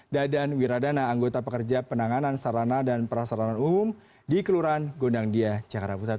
dadan wiradana anggota pekerja penanganan sarana dan prasarana umum di kelurahan gondang dia jakarta pusat